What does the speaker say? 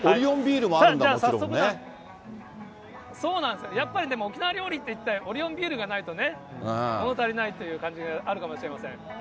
そうなんですよ、やっぱりでも沖縄料理っていったら、オリオンビールがないともの足りないという感じがあるかもしれません。